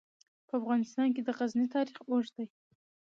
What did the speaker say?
په افغانستان کې د غزني تاریخ اوږد دی.